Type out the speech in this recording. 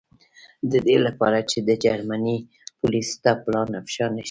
د دې له پاره چې د جرمني پولیسو ته پلان افشا نه شي.